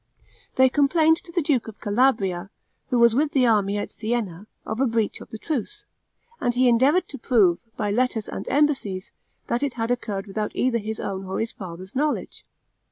They complained to the duke of Calabria, who was with the army at Sienna, of a breach of the truce; and he endeavored to prove, by letters and embassies, that it had occurred without either his own or his father's knowledge.